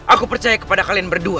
aku percaya kepada kalian berdua